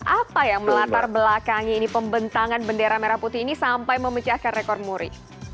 apa yang melatar belakangi ini pembentangan bendera merah putih ini sampai memecahkan rekor muri